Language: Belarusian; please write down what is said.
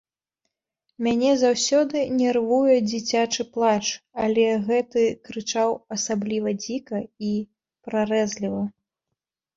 Мяне заўсёды нервуе дзіцячы плач, але гэты крычаў асабліва дзіка і прарэзліва.